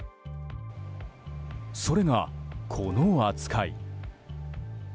それが、この扱い。